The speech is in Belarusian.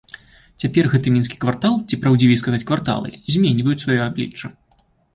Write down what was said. Цяпер гэты мінскі квартал ці, праўдзівей сказаць, кварталы зменьваюць сваё аблічча.